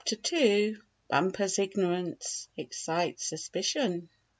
STORY n bumper's ignorance excites suspicion.